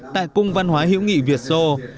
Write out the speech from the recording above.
tại cung văn hóa hiễu nghị việt sô